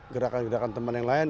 gerakan gerakan teman yang lain